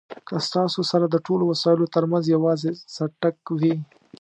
که ستاسو سره د ټولو وسایلو ترمنځ یوازې څټک وي.